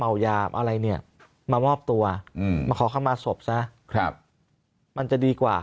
ยามอะไรเนี่ยมามอบตัวมาขอคำมาศพซะมันจะดีกว่า